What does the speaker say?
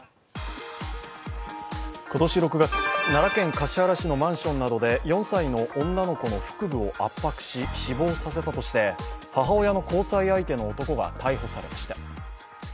今年６月、奈良県橿原市のマンションなどで４歳の女の子の腹部を圧迫し死亡させたとして母親の交際相手の男が逮捕されました。